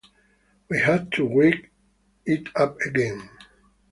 We had to wake it up again.